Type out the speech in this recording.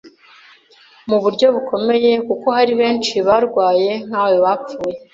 mu buryo bukomeye kuko Hari benshi barwaye nkawe bapfuye